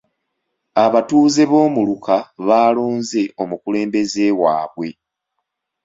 Abatuuze b'omuluka baalonze omukulembeze waabwe.